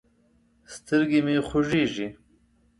سترګې مې خوږېږي.